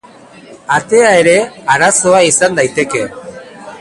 Atea ere arazoa izan daiteke.